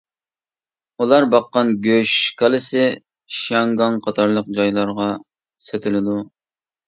ئۇلار باققان گۆش كالىسى شياڭگاڭ قاتارلىق جايلارغا سېتىلىدۇ.